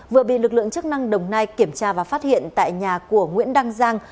vừa bị lực lượng chức năng đồng nai kiểm tra và phát hiện tại nhà của nguyễn đăng giang